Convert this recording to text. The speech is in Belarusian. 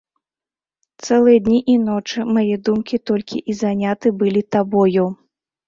Цэлыя дні і ночы мае думкі толькі і заняты былі табою.